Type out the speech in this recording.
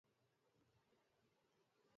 என்ன, புத்தகங்களா! ஆம்!